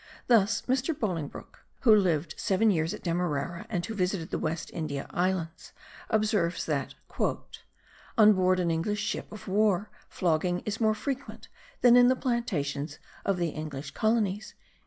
Thus Mr. Bolingbroke, who lived seven years at Demerara and who visited the West India Islands, observes that "on board an English ship of war, flogging is more frequent than in the plantations of the English colonies."